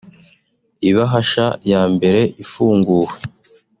Ibahasha ya mbere ifunguwe